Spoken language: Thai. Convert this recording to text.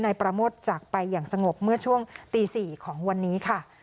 นายประโมทจากไปอย่างสงบเมื่อช่วงตี๔ของวันนี้ค่ะ